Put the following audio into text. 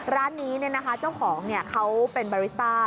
ร้านนี้เจ้าของเขาเป็นบาริสต้า